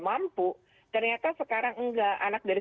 mampu ternyata sekarang enggak anak dari